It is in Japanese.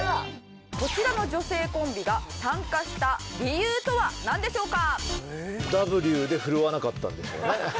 こちらの女性コンビが参加した理由とはなんでしょうか？